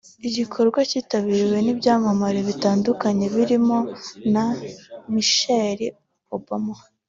igikorwa kitabiriwe n’ibyamamare bitandukanye birimo na Michelle Obama